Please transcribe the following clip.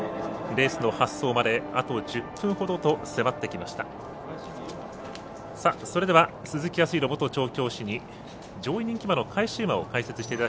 レースの発走まであと１０分ほどと迫ってきました。